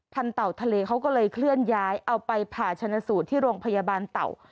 เต่าทะเลเขาก็เลยเคลื่อนย้ายเอาไปผ่าชนะสูตรที่โรงพยาบาลเต่า